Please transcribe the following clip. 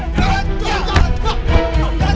datuk datuk kejal